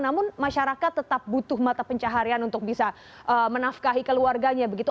namun masyarakat tetap butuh mata pencaharian untuk bisa menafkahi keluarganya begitu